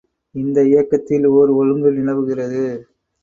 இந்த இயக்கத்தில் ஒர் ஒழுங்கு நிலவுகிறது.